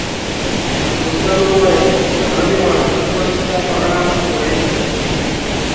فرګوسن وویل: اغلې وان کمپن ستا په اړه ویل.